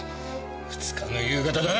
２日の夕方だな。